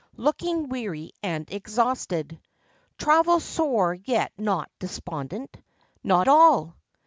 Looking weary and exhausted, Travel sore, yet not despondent— Not all!